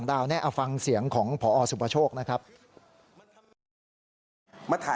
แล้วก็เรียกเพื่อนมาอีก๓ลำ